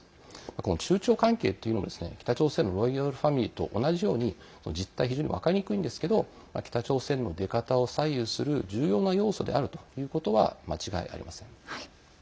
この中朝関係というのも北朝鮮のロイヤルファミリーと同じように実態、非常に分かりにくいんですけど北朝鮮の出方を左右する重要な要素であるということは間違いありません。